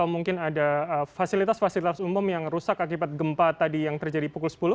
mungkin ada fasilitas fasilitas umum yang rusak akibat gempa tadi yang terjadi pukul sepuluh